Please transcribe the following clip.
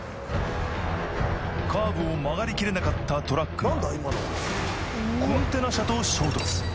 カーブを曲がりきれなかったトラックがコンテナ車と衝突